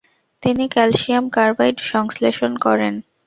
তিনি calcium carbide সংশ্লেষণ করেন।